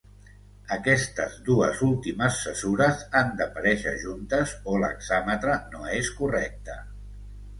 Aquestes dues últimes cesures han d'aparèixer juntes o l'hexàmetre no és correcte.